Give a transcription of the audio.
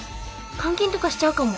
監禁とかしちゃうかも。